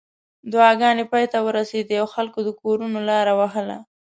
دعاګانې پای ته ورسېدې او خلکو د کورونو لار وهله.